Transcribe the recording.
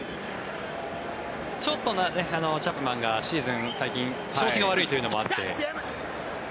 ちょっとチャップマンがシーズン最近調子が悪いというのもあって。